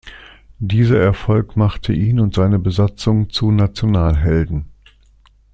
Dieser Erfolg machte ihn und seine Besatzung zu Nationalhelden.